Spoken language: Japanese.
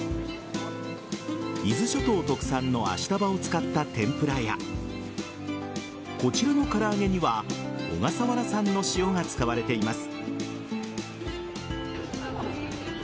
伊豆諸島特産のアシタバを使った天ぷらやこちらの唐揚げには小笠原産の塩が使われています。